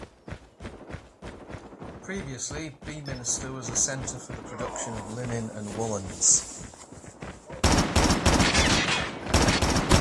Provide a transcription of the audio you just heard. Previously Beaminster was a centre for the production of linen and woollens.